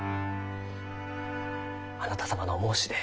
あなた様のお申し出